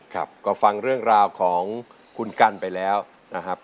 ครับก็ฟังเรื่องราวของคุณกันไปแล้วนะครับ